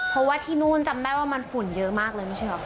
เพราะว่าที่นู่นจำได้ว่ามันฝุ่นเยอะมากเลยไม่ใช่เหรอ